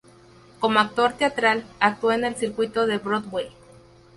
Como actor teatral, actuó en el circuito de Broadway.